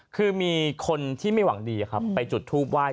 คือมีคนที่ไม่หวังดีครับไปจุดทูปไห้